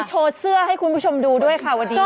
โชว์เสื้อให้คุณผู้ชมดูด้วยค่ะ